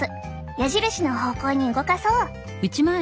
矢印の方向に動かそう。